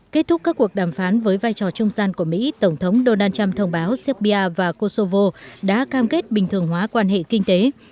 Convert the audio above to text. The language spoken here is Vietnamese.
kết thúc các cuộc đàm phán với vai trò trung gian của mỹ tổng thống donald trump thông báo serbia và kosovo đã cam kết bình thường hóa quan hệ kinh tế